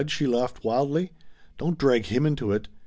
she laughed wildly. "Don't drag Him into it!